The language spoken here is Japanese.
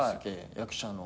役者の。